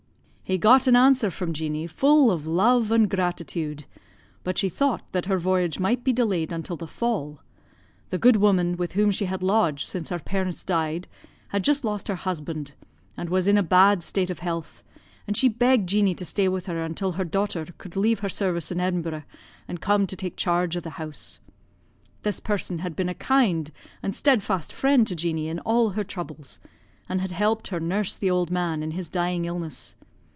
"He got an answer from Jeanie full of love and gratitude, but she thought that her voyage might be delayed until the fall. The good woman, with whom she had lodged since her parents died, had just lost her husband, and was in a bad state of health, and she begged Jeanie to stay with her until her daughter could leave her service in Edinburgh and come to take charge of the house. This person had been a kind and steadfast friend to Jeanie in all her troubles, and had helped her nurse the old man in his dying illness.